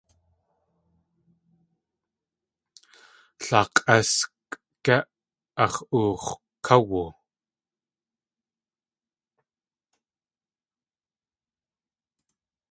Laak̲ʼásk gé ax̲ oox̲ káwu?